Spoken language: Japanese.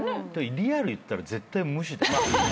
リアルでいったら絶対無視だよ。